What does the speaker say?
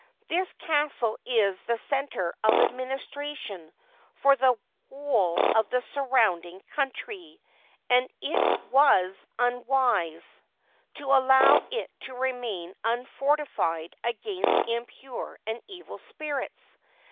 This castle is the centre of administration for the whole of the surrounding country, and it was unwise to allow it to remain un fortified against impure and evil spirits.